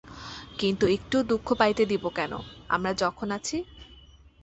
কিন্তু একটুও দুঃখ পাইতে দিব কেন, আমরা যখন আছি।